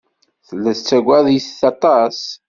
Tella tettagad-it aṭas.